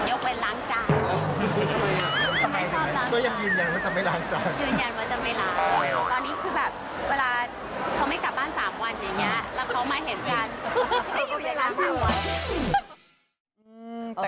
ยกเป็นล้างจาน